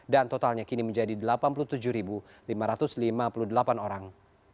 dan totalnya kini menjadi delapan puluh tujuh lima ratus lima puluh delapan orang